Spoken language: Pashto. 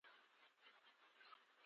_پام!!!